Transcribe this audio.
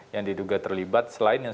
yang diduga terlibat selain yang